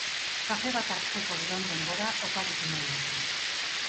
kafe bat hartzeko dudan denbora oparitu nahi dizut.